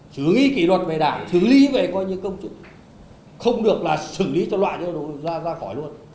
xử lý nghiêm xử lý kỷ luật về đảng xử lý về công chức không được xử lý cho loại ra khỏi luôn